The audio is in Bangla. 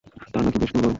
তার নাড়ি বেশ দুর্বল।